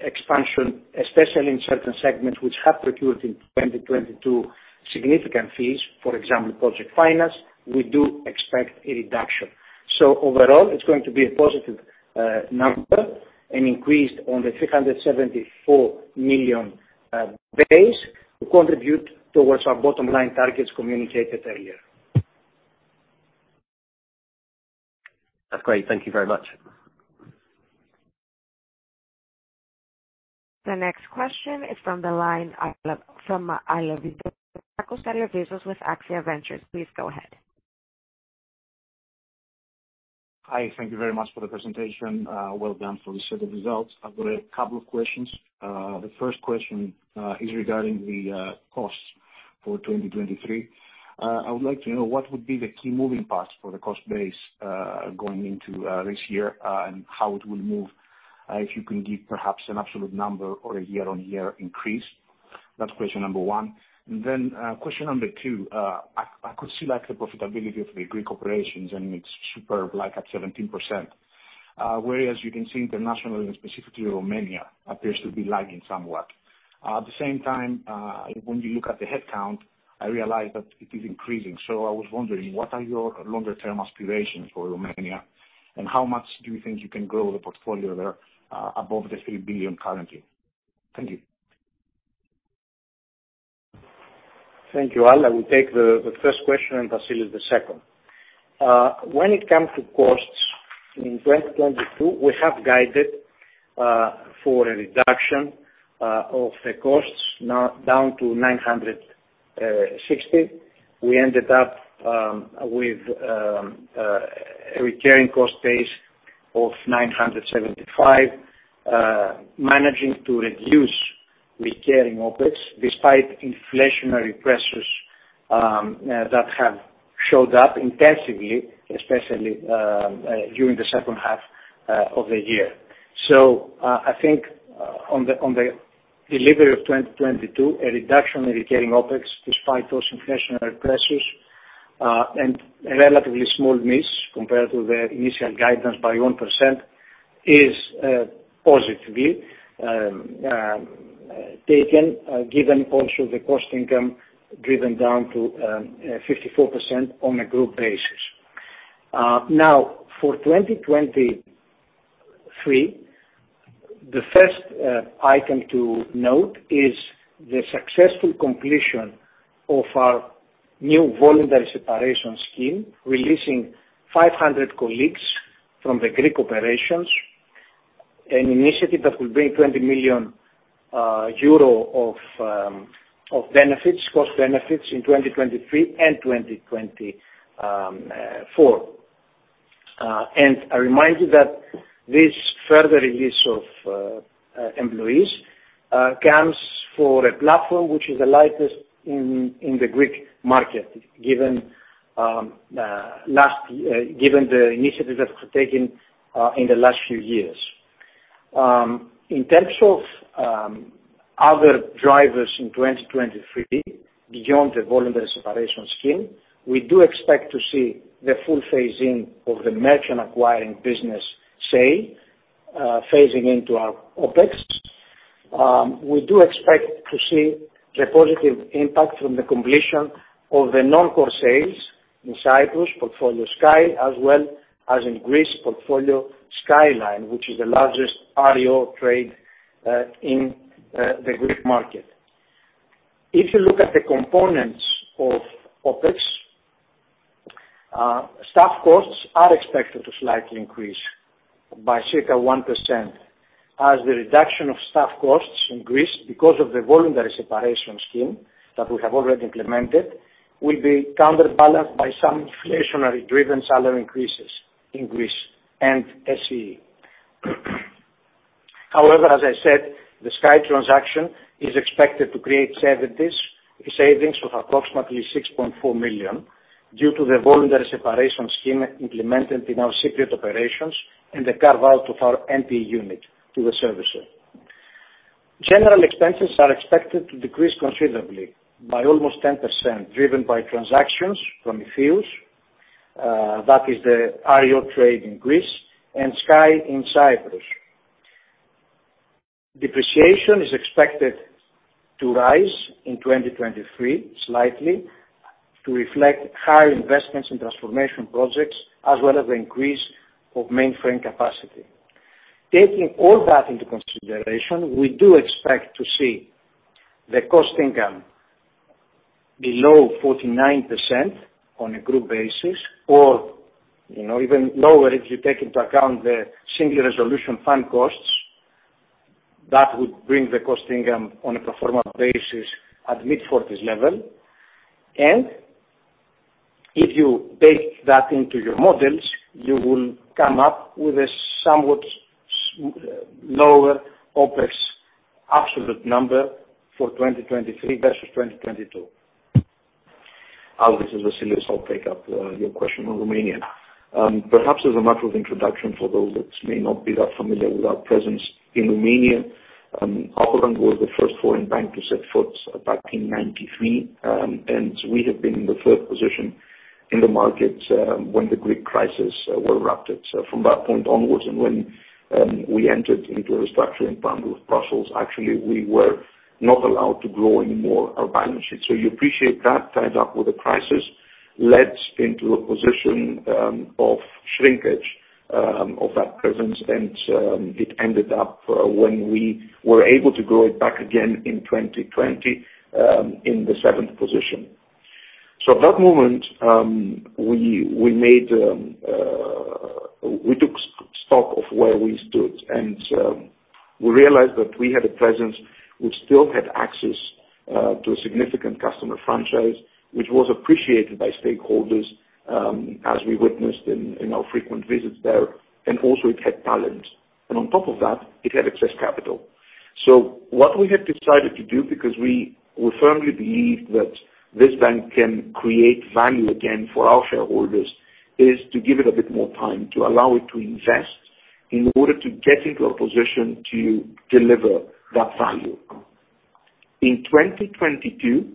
expansion, especially in certain segments which have procured in 2022 significant fees, for example, project finance, we do expect a reduction. Overall, it's going to be a positive number, an increase on the 374 million base to contribute towards our bottom line targets communicated earlier. That's great. Thank you very much. The next question is from the line, from Alevizos Alevizakos with AXIA Ventures. Please go ahead. Hi, thank you very much for the presentation. Well done for the set of results. I've got a couple of questions. The first question is regarding the costs for 2023. I would like to know what would be the key moving parts for the cost base going into this year, and how it will move, if you can give perhaps an absolute number or a year-on-year increase. That's question number one. Question number two, I could see like the profitability of the Greek operations, and it's superb, like at 17%, whereas you can see internationally and specifically Romania appears to be lagging somewhat. At the same time, when you look at the headcount, I realize that it is increasing. I was wondering, what are your longer term aspirations for Romania, and how much do you think you can grow the portfolio there, above the 3 billion currently? Thank you. Thank you. Al, I will take the first question, and Vassilios the second. When it comes to costs, in 2022, we have guided for a reduction of the costs now down to 960. We ended up with a recurring cost base of 975, managing to reduce recurring OpEx despite inflationary pressures that have showed up intensively, especially during the second half of the year. I think on the delivery of 2022, a reduction in recurring OpEx despite those inflationary pressures, and a relatively small miss compared to the initial guidance by 1% is positively taken, given also the cost income driven down to 54% on a group basis. Now, for 2023, the first item to note is the successful completion of our new voluntary separation scheme, releasing 500 colleagues from the Greek operations, an initiative that will bring 20 million euro of benefits, cost benefits in 2023 and 2024. I remind you that this further release of employees comes for a platform which is the lightest in the Greek market, given the initiatives that were taken in the last few years. In terms of other drivers in 2023, beyond the voluntary separation scheme, we do expect to see the full phase-in of the merchant acquiring business, phasing into our OpEx. We do expect to see the positive impact from the completion of the non-core sales in Cyprus, Project Sky, as well as in Greece Project Skyline, which is the largest NPE trade in the Greek market. If you look at the components of OpEx, staff costs are expected to slightly increase by circa 1% as the reduction of staff costs in Greece because of the voluntary separation scheme that we have already implemented, will be counterbalanced by some inflationary driven salary increases in Greece and SEE. However, as I said, the Project Sky transaction is expected to create savings of approximately 6.4 million due to the voluntary separation scheme implemented in our Cypriot operations and the carve-out of our NPE unit to the servicer. General expenses are expected to decrease considerably by almost 10%, driven by transactions from the fields, that is the Project Skyline trade in Greece and Project Sky in Cyprus. Depreciation is expected to rise in 2023 slightly to reflect higher investments in transformation projects as well as the increase of mainframe capacity. Taking all that into consideration, we do expect to see the cost-income ratio below 49% on a group basis or, you know, even lower if you take into account the Single Resolution Fund costs. That would bring the cost-income ratio on a pro forma basis at mid-forties level. If you bake that into your models, you will come up with a somewhat lower OpEx absolute number for 2023 versus 2022. Lazaros, this is Vassilios. I'll take up your question on Romania. Perhaps as a matter of introduction for those which may not be that familiar with our presence in Romania, Alpha Bank was the first foreign bank to set foot back in 1993, and we have been in the third position in the market, when the Greek crisis erupted. From that point onwards, and when we entered into a restructuring plan with Brussels, actually we were not allowed to grow anymore our balance sheet. You appreciate that tied up with the crisis, led into a position of shrinkage of that presence. It ended up when we were able to grow it back again in 2020 in the seventh position. At that moment, we made, we took stock of where we stood, and we realized that we had a presence. We still had access to a significant customer franchise, which was appreciated by stakeholders, as we witnessed in our frequent visits there, and also it had talent. On top of that, it had excess capital. What we have decided to do, because we firmly believe that this bank can create value again for our shareholders, is to give it a bit more time, to allow it to invest in order to get into a position to deliver that value. In 2022,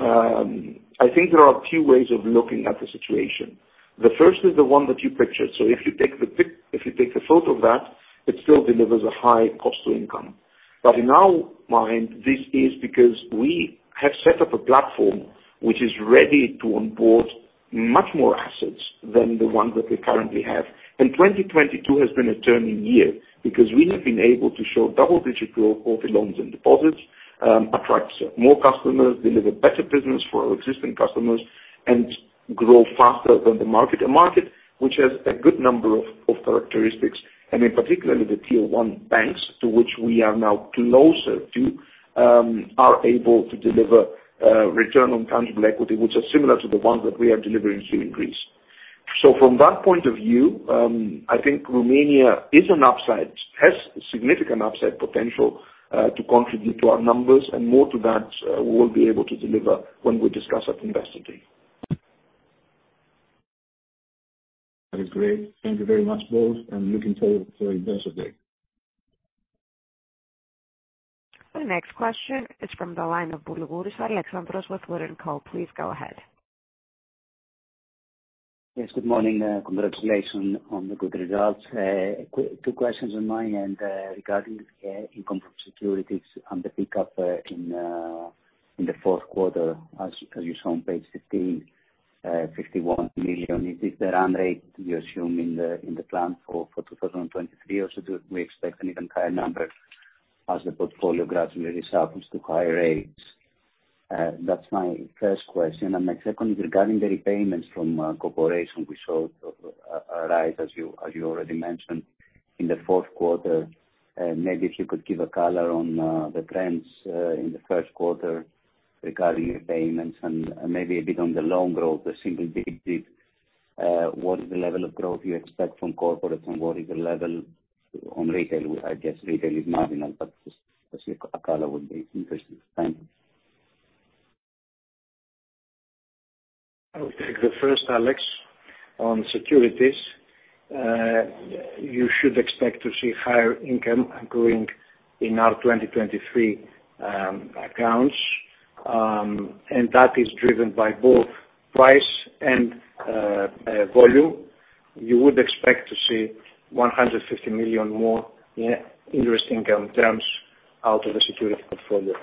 I think there are two ways of looking at the situation. The first is the one that you pictured. If you take a photo of that, it still delivers a high cost to income. In our mind, this is because we have set up a platform which is ready to onboard much more assets than the ones that we currently have. 2022 has been a turning year because we have been able to show double-digit growth for the loans and deposits, attract more customers, deliver better business for our existing customers, and grow faster than the market. A market which has a good number of characteristics, and in particular, the Tier 1 banks, to which we are now closer to, are able to deliver return on tangible equity, which are similar to the ones that we are delivering here in Greece. From that point of view, I think Romania is an upside, has significant upside potential, to contribute to our numbers, and more to that, we will be able to deliver when we discuss at investor day. That is great. Thank you very much, both, and looking forward for investor day. The next question is from the line of Alex Boulougouris with Wood & Co. Please go ahead. Yes, good morning. Congratulations on the good results. two questions on my end, regarding income from securities and the pickup in the fourth quarter. As you saw on page 15, 51 million. Is this the run rate you assume in the plan for 2023, or should we expect an even higher number as the portfolio gradually resurfaces to higher rates? That's my first question. My second is regarding the repayments from corporation. We saw a rise, as you already mentioned in the fourth quarter. Maybe if you could give a color on the trends in the first quarter. Regarding your payments and maybe a bit on the loan growth, the single-digit dip, what is the level of growth you expect from corporate, and what is the level on retail? I guess retail is marginal, but just to see a color would be interesting. Thanks. I'll take the first, Alex, on securities. You should expect to see higher income growing in our 2023 accounts. That is driven by both price and volume. You would expect to see 150 million more in interest income terms out of the securities portfolio.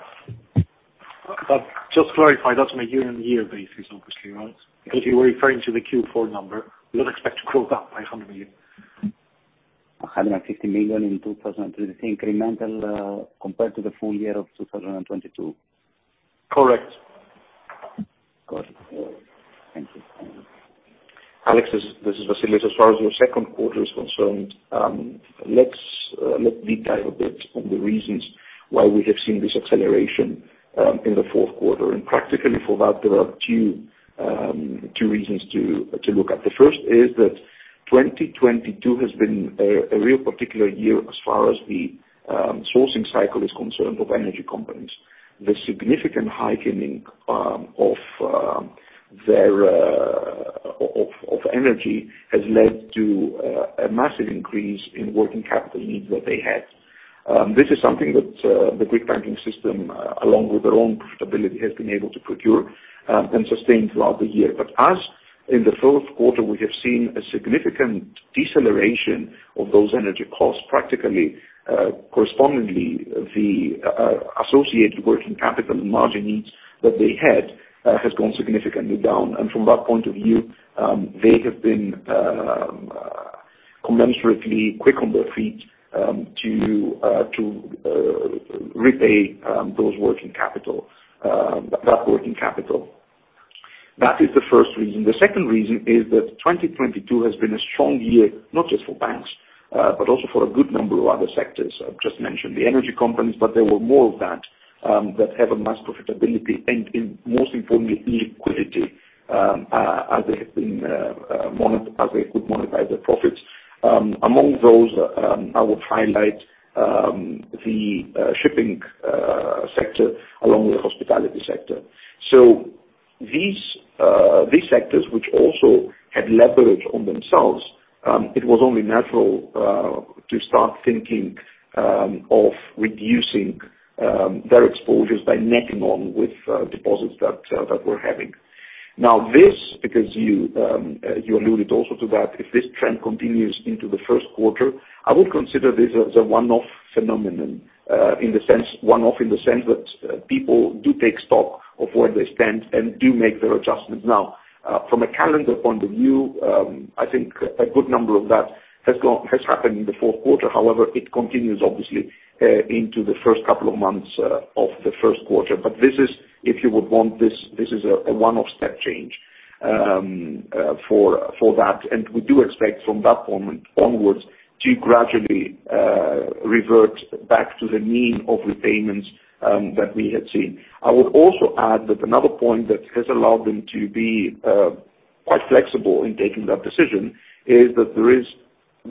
Just to clarify, that's on a year-on-year basis, obviously, right? Because you were referring to the Q4 number. We don't expect to grow that by 100 million. 150 million in 2023 incremental, compared to the full year of 2022? Correct. Got it. Thank you. Alex, this is Vassilios. As far as your second quarter is concerned, let's deep dive a bit on the reasons why we have seen this acceleration in the fourth quarter. Practically for that, there are two reasons to look at. The first is that 2022 has been a real particular year as far as the sourcing cycle is concerned of energy companies. The significant hiking of their energy has led to a massive increase in working capital needs that they had. This is something that the Greek banking system, along with their own profitability, has been able to procure and sustain throughout the year. As in the fourth quarter, we have seen a significant deceleration of those energy costs, practically, correspondingly, the associated working capital and margin needs that they had, has gone significantly down. From that point of view, they have been commensurately quick on their feet, to repay those working capital, that working capital. That is the first reason. The second reason is that 2022 has been a strong year, not just for banks, but also for a good number of other sectors. I've just mentioned the energy companies, but there were more of that have a mass profitability and most importantly, in liquidity, as they have been, as they could monetize their profits. Among those, I would highlight the shipping sector along with the hospitality sector. These sectors, which also had leverage on themselves, it was only natural to start thinking of reducing their exposures by netting on with deposits that we're having. This, because you alluded also to that, if this trend continues into the first quarter, I would consider this as a one-off phenomenon, in the sense, one-off in the sense that people do take stock of where they stand and do make their adjustments. From a calendar point of view, I think a good number of that has happened in the fourth quarter. However, it continues obviously into the first couple of months of the first quarter. This is, if you would want this is a one-off step change for that. We do expect from that moment onwards to gradually revert back to the mean of repayments that we had seen. I would also add that another point that has allowed them to be quite flexible in taking that decision is that there is.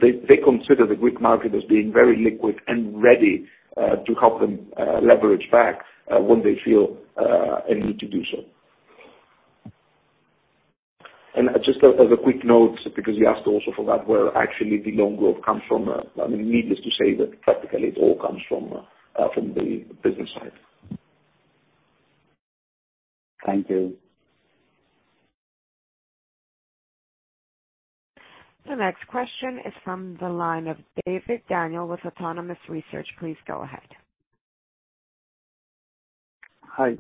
They consider the Greek market as being very liquid and ready to help them leverage back when they feel a need to do so. Just as a quick note, because you asked also for that, where actually the loan growth comes from, I mean, needless to say that practically it all comes from the business side. Thank you. The next question is from the line of Daniel David with Autonomous Research. Please go ahead. Hi,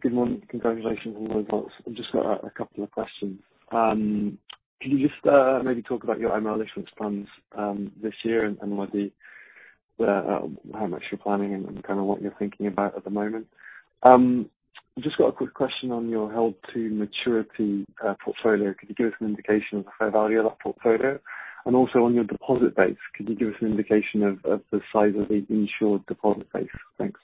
good morning. Congratulations on the results. I've just got a couple of questions. Can you just maybe talk about your MREL issuance plans this year and what the how much you're planning and kinda what you're thinking about at the moment? Just got a quick question on your held-to-maturity portfolio. Could you give us an indication of the fair value of that portfolio? Also on your deposit base, could you give us an indication of the size of the insured deposit base? Thanks.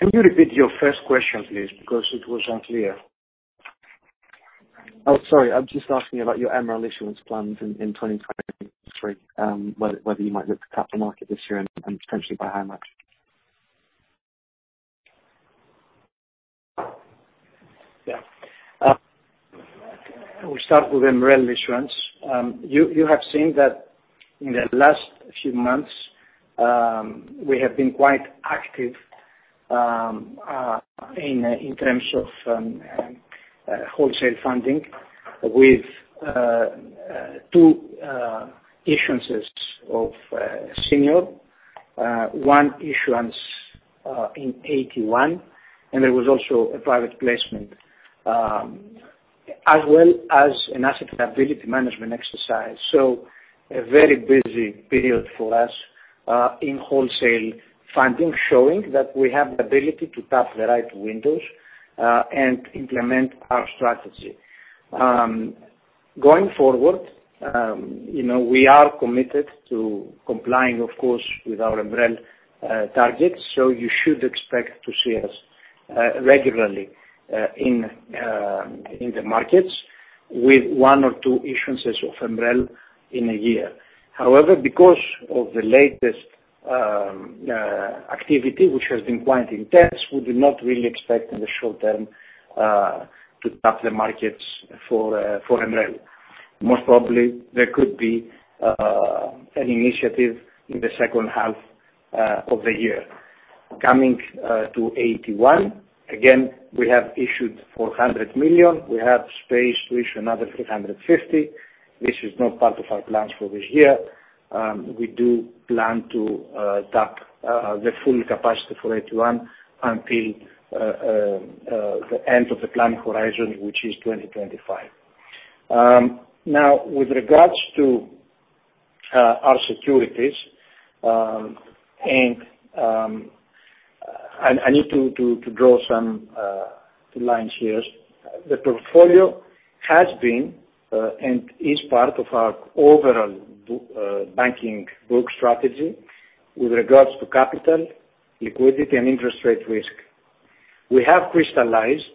Can you repeat your first question, please, because it was unclear. Oh, sorry. I'm just asking about your MREL issuance plans in 2023, whether you might look to capital market this year and potentially by how much? Yeah. We'll start with MREL issuance. You have seen that in the last few months, we have been quite active in terms of wholesale funding with two issuances of senior, one issuance in AT1, and there was also a private placement as well as an asset liability management exercise. A very busy period for us in wholesale funding, showing that we have the ability to tap the right windows and implement our strategy. Going forward, you know, we are committed to complying of course with our MREL targets, so you should expect to see us regularly in the markets with one or two issuances of MREL in a year. Because of the latest activity, which has been quite intense, we do not really expect in the short term to tap the markets for MREL. Most probably there could be an initiative in the second half of the year. Coming to AT1, again, we have issued 400 million. We have space to issue another 350 million, which is not part of our plans for this year. We do plan to tap the full capacity for AT1 until the end of the planning horizon, which is 2025. With regards to our securities, and I need to draw some lines here. The portfolio has been and is part of our overall book... banking book strategy with regards to capital, liquidity, and interest rate risk. We have crystallized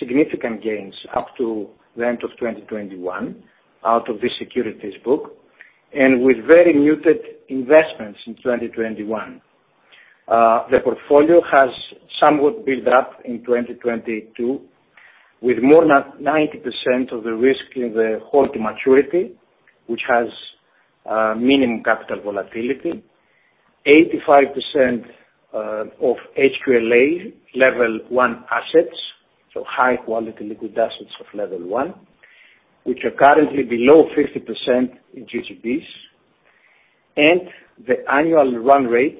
significant gains up to the end of 2021 out of the securities book and with very muted investments in 2021. The portfolio has somewhat built up in 2022 with more than 90% of the risk in the held-to-maturity, which has minimum capital volatility, 85% of HQLA level one assets, so high quality liquid assets of level one, which are currently below 50% in GGBs. The annual run rate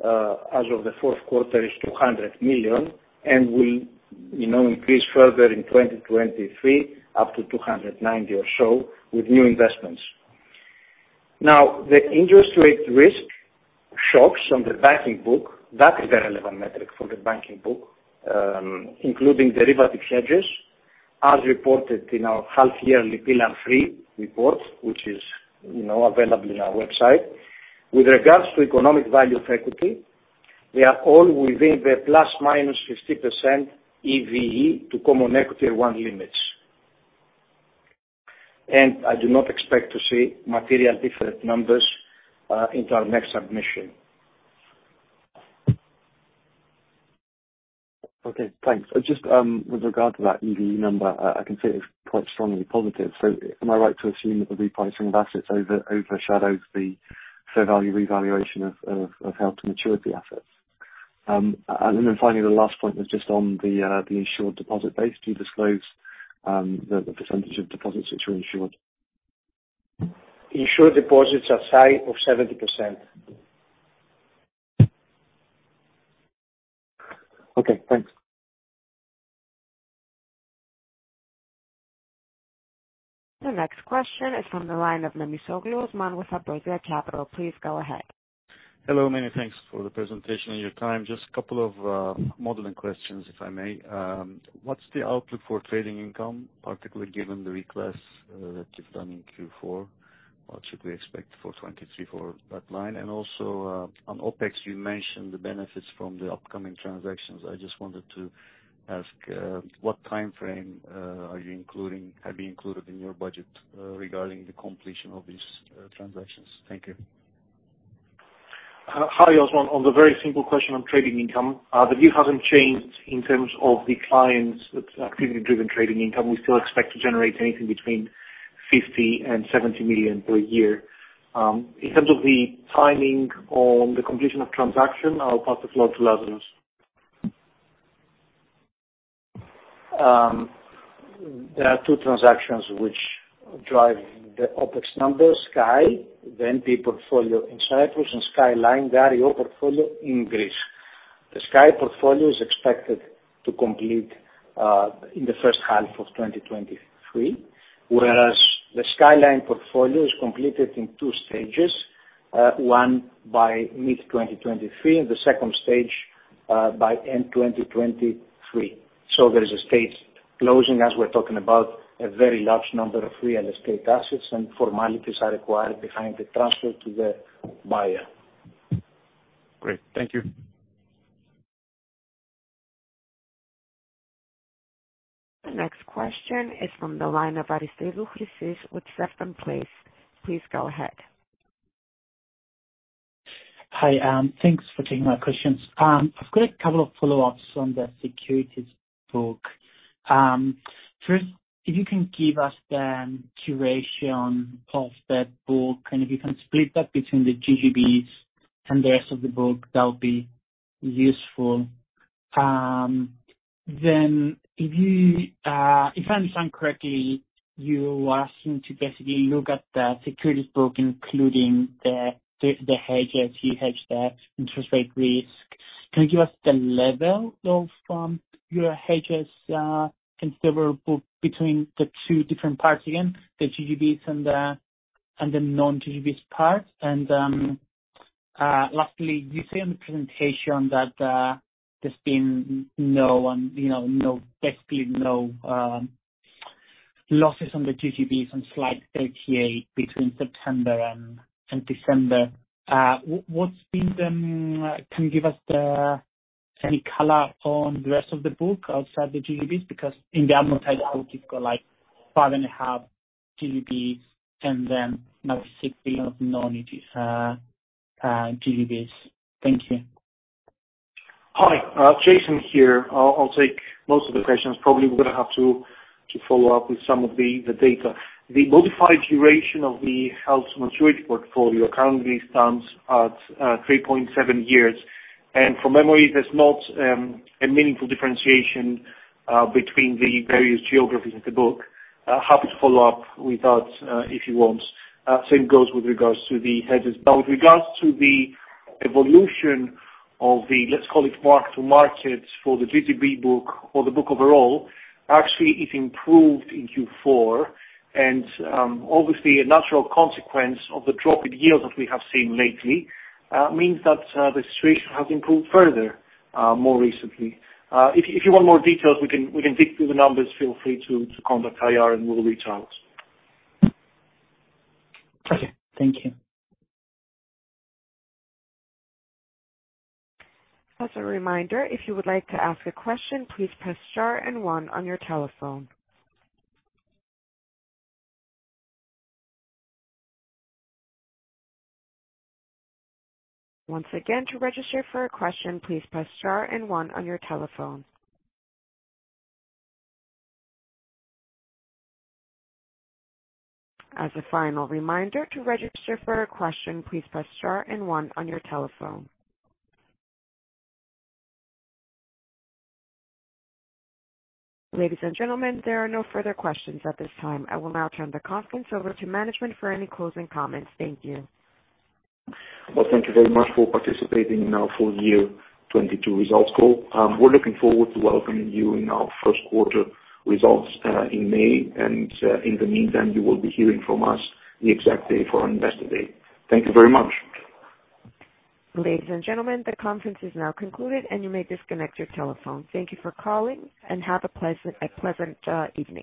as of the fourth quarter is 200 million and will, you know, increase further in 2023 up to 290 million or so with new investments. The interest rate risk shocks on the banking book, that is the relevant metric for the banking book, including derivative hedges, as reported in our half yearly Pillar III report, which is, you know, available in our website. With regards to Economic Value of Equity, they are all within the ±50% EVE to Common Equity One limits. I do not expect to see material different numbers into our next submission. Okay, thanks. Just, with regard to that EVE number, I can see it's quite strongly positive. Am I right to assume that the repricing of assets overshadows the fair value revaluation of held-to-maturity assets? Then finally the last point was just on the insured deposit base. Do you disclose the % of deposits which are insured? Insured deposits are site of 70%. Okay, thanks. The next question is from the line of Osman Memisoglu with Ambrosia Capital. Please go ahead. Hello. Many thanks for the presentation and your time. Just a couple of modeling questions, if I may. What's the outlook for trading income, particularly given the reclass that you've done in Q4? What should we expect for 2023 for that line? Also, on OpEx, you mentioned the benefits from the upcoming transactions. I just wanted to ask what timeframe have you included in your budget regarding the completion of these transactions? Thank you. Hi, Osman. On the very simple question on trading income, the view hasn't changed in terms of the clients that are actively driven trading income. We still expect to generate anything between 50 million and 70 million per year. In terms of the timing on the completion of transaction, I'll pass the floor to Lazarus. There are two transactions which drive the OpEx numbers, Sky, the NPE portfolio in Cyprus, and Project Skyline portfolio in Greece. The Sky portfolio is expected to complete in the first half of 2023, whereas the Skyline portfolio is completed in two stages. One by mid 2023 and the second stage by end 2023. There is a staged closing as we're talking about a very large number of real estate assets and formalities are required behind the transfer to the buyer. Great. Thank you. The next question is from the line of Chrysis Aristidou with Sefton Place. Please go ahead. Hi, thanks for taking my questions. I've got a couple of follow-ups on the securities book. First, if you can give us the duration of that book and if you can split that between the GGBs and the rest of the book, that would be useful. If you, if I understand correctly, you are asking to basically look at the securities book, including the hedges, you hedge the interest rate risk. Can you give us the level of your hedges, and several book between the two different parts again, the GGBs and the non-GGBs part lastly, you see on the presentation that there's been no, you know, no losses on the GGBs on slide 38 between September and December. Can you give us the, any color on the rest of the book outside the GGBs? Because in the amortized book, it's got like five and a half GGBs and then EUR 96 billion of non, GGBs. Thank you. Hi, Jason here. I'll take most of the questions. Probably we're gonna have to follow up with some of the data. The modified duration of the held-to-maturity portfolio currently stands at 3.7 years. From memory, there's not a meaningful differentiation between the various geographies in the book. Happy to follow up with that if you want. Same goes with regards to the hedges. With regards to the evolution of the, let's call it mark-to-market for the GGB book or the book overall, actually, it improved in Q4. Obviously, a natural consequence of the drop in yields that we have seen lately, means that the situation has improved further more recently. If you want more details, we can dig through the numbers. Feel free to contact IR, and we'll reach out. Okay. Thank you. As a reminder, if you would like to ask a question, please press star and one on your telephone. Once again, to register for a question, please press star and one on your telephone. As a final reminder, to register for a question, please press star and one on your telephone. Ladies and gentlemen, there are no further questions at this time. I will now turn the conference over to management for any closing comments. Thank you. Well, thank you very much for participating in our full year 2022 results call. We're looking forward to welcoming you in our first quarter results in May. In the meantime, you will be hearing from us the exact date for our Investor Day. Thank you very much. Ladies and gentlemen, the conference is now concluded. You may disconnect your telephone. Thank you for calling. Have a pleasant evening.